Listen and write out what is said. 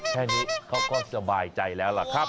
แค่นี้เขาก็สบายใจแล้วล่ะครับ